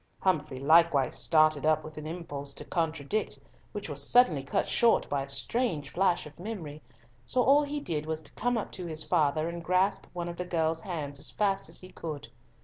Humfrey likewise started up with an impulse to contradict, which was suddenly cut short by a strange flash of memory, so all he did was to come up to his father, and grasp one of the girl's hands as fast as he could.